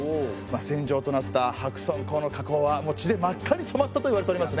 戦場となった白村江の河口はもう血で真っ赤に染まったといわれておりますね。